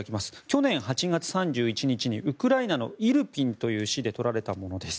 去年８月３１日にウクライナのイルピンという市で撮られたものです。